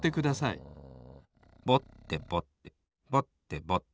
ぼってぼってぼってぼって。